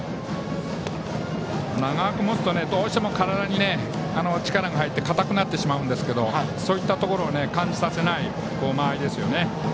長く持つとどうしても体に力が入って硬くなってしまうんですけどそういったところを感じさせない間合いですよね。